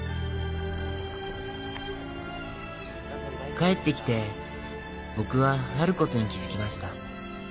「帰ってきて僕はあることに気づきました。